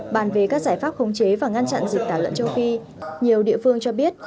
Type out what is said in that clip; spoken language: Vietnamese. bàn về các giải pháp khống chế và ngăn chặn dịch tả lợn châu phi nhiều địa phương cho biết